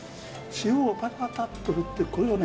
塩をパッパッパッと振ってこれをね